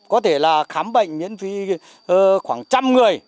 có thể là khám bệnh miễn phí khoảng một trăm linh người